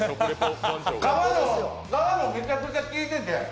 皮もめちゃめちゃ効いてて。